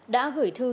đã gửi thư ghi